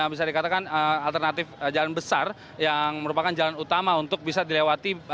bisa dikatakan alternatif jalan besar yang merupakan jalan utama untuk bisa dilewati